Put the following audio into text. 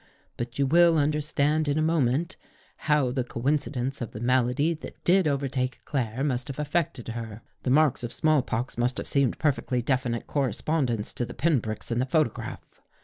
But you will understand in a moment, how the coinci dence of the malady that did overtake Claire must have affected her. The marks of small pox must have seemed perfectly definite correspondents to the pin pricks in the photograph.